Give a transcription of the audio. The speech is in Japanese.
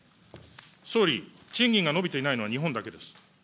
総理、賃金が伸びていないのは日本だけです。